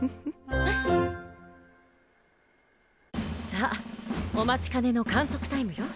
さあお待ちかねの観測タイムよ